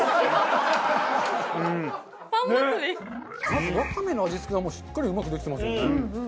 まずワカメの味付けがしっかりうまくできてますもんね。